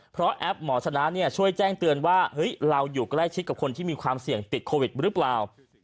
เพราะแอปหมอชนะช่วยแจ้งเตือนว่าเราอยู่ใกล้ชิดกับคนที่มีความเสี่ยงติดโควิดหรือเปล่า